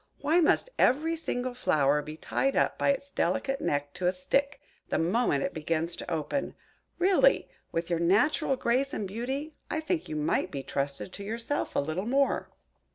Why must every single flower be tied up by its delicate neck to a stick, the moment it begins to open? Really, with your natural grace and beauty, I think you might be trusted to yourself a little more!"